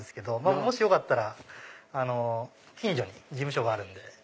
もしよかったら近所に事務所があるんで。